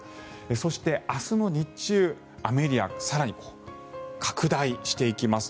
そして、明日の日中、雨エリアは更に拡大していきます。